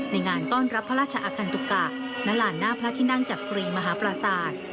งานต้อนรับพระราชอคันตุกะณลานหน้าพระที่นั่งจักรีมหาปราศาสตร์